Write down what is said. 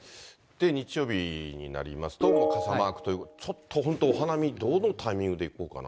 日曜日になりますと、傘マークという、ちょっと、本当お花見、どのタイミングで行こうかな。